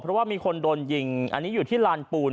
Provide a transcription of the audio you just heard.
เพราะว่ามีคนโดนยิงอันนี้อยู่ที่ลานปูน